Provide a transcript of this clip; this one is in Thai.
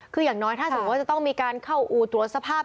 คืออย่างน้อยถ้าสมมุติว่าจะต้องมีการเข้าอู่ตรวจสภาพ